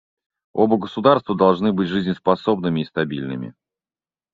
Оба государства должны быть жизнеспособными и стабильными.